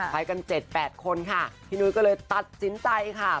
ไปกัน๗๘คนค่ะพี่นุ้ยก็เลยตัดสินใจค่ะ